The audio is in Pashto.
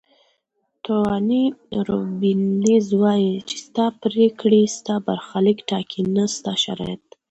توني روبینز وایي چې ستا پریکړې ستا برخلیک ټاکي نه ستا شرایط.